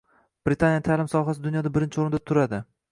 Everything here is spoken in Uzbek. Britaniyaning taʼlim sohasi dunyoda birinchi oʻrinda turadi.